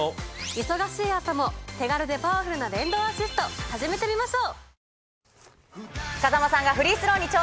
忙しい朝も手軽でパワフルな電動アシスト始めてみましょう。